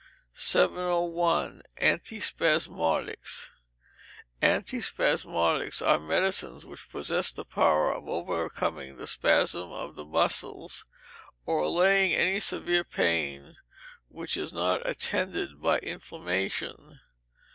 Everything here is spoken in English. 701. Antispasmodics. Antispasmodics are medicines which possess the power of overcoming the spasms of the muscles, or allaying any severe pain which is not attended by inflammation.